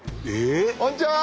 こんにちは！